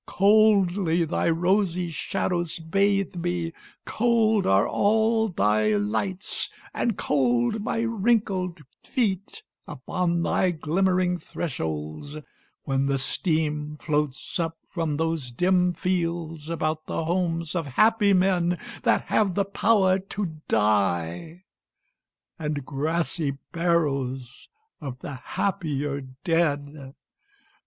Coldly thy rosy shadows bathe me, cold Are all thy lights, and cold my wrinkled feet Upon thy glimmering thresholds, when the steam Floats up from those dim fields about the homes Of happy men that have the power to die, And grassy barrows of the happier dead.